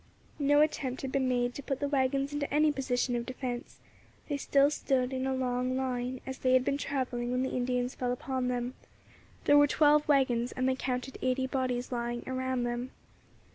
No attempt had been made to put the waggons into any position of defence; they still stood in a long line, as they had been travelling when the Indians fell upon them. There were twelve waggons, and they counted eighty bodies lying around them.